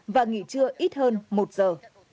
và nghỉ trưa ít hơn một giờ